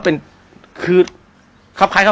พี่สุดยอดนี้ไม่ใช่ครับ